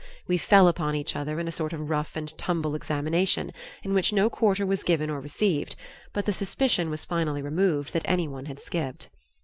We fell upon each other in a sort of rough and tumble examination, in which no quarter was given or received; but the suspicion was finally removed that anyone had skipped.